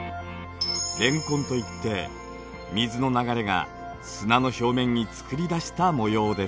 漣痕といって水の流れが砂の表面に作り出した模様です。